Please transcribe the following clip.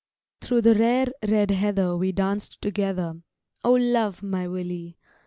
Thro' the rare red heather we danced together, (O love my Willie!)